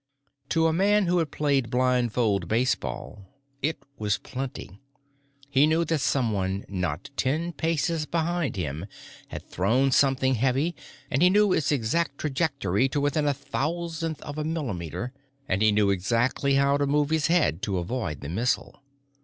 To a man who had played blindfold baseball, it was plenty. He knew that someone not ten paces behind him had thrown something heavy, and he knew its exact trajectory to within a thousandth of a millimeter, and he knew exactly how to move his head to avoid the missile.